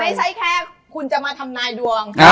ไม่ใช่แค่คุณจะมาทำนายดวง